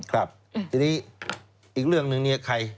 ครับทีนี้อีกเรื่องหนึ่งเนี่ยใคร